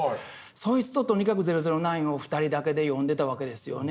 そいつととにかく「００９」を二人だけで読んでたわけですよね。